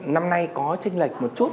năm nay có tranh lệch một chút